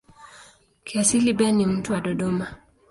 Kiasili Ben ni mtu wa Dodoma.